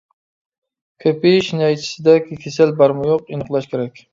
كۆپىيىش نەيچىسىدە كېسەل بارمۇ-يوق ئېنىقلاش كېرەك.